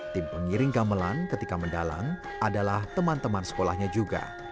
tim pengiring gamelan ketika mendalang adalah teman teman sekolahnya juga